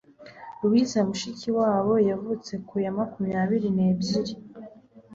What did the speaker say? Louise Mushikiwabo yavutse ku ya makumyabiri nebyiri